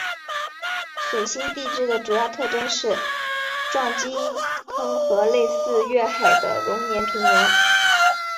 水星地质的主要特征是撞击坑和类似月海的熔岩平原。